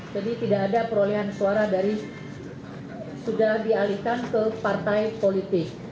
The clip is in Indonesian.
jadi tidak ada perolehan suara dari sudah dialihkan ke partai politik